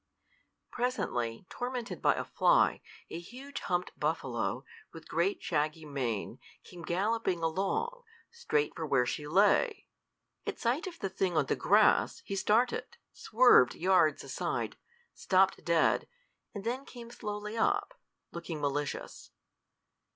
Presently, tormented by a fly, a huge humped buffalo, with great shaggy mane, came galloping along, straight for where she lay. At sight of the thing on the grass he started, swerved yards aside, stopped dead, and then came slowly up, looking malicious.